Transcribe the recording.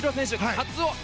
カツオ。